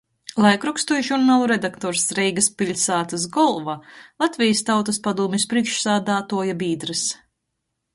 Laikrokstu i žurnalu redaktors, Reigys piļsātys golva, Latvejis Tautys padūmis prīšksādātuoja bīdrs.